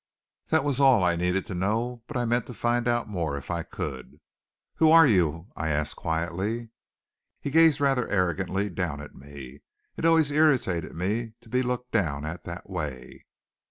That was all I needed to know, but I meant to find out more if I could. "Who're you?" I asked quietly. He gazed rather arrogantly down at me. It always irritated me to be looked down at that way.